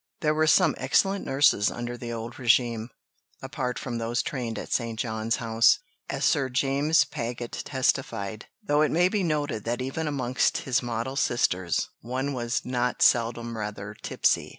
" There were some excellent nurses under the old régime (apart from those trained at St. John's House), as Sir James Paget testified; though it may be noted that even amongst his model Sisters, one was "not seldom rather tipsy."